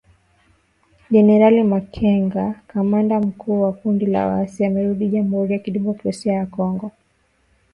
Jenerali Makenga, kamanda mkuu wa kundi la waasi amerudi Jamhuri ya Kidemokrasia ya Kongo kuongoza mashambulizi